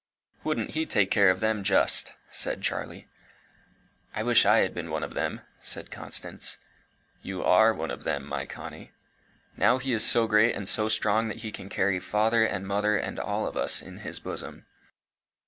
"Wouldn't he take care of them, just!" said Charlie. "I wish I had been one of them," said Constance. "You are one of them, my Connie. Now he is so great and so strong that he can carry father and mother and all of us in his bosom."